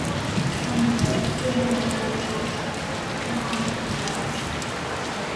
سمه ده زه به پوره کوشش وکړم خو ته هم بیدار اوسه.